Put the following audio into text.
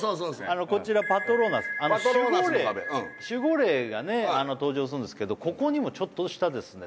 こちらパトローナス守護霊守護霊がね登場するんですけどここにもちょっとしたですね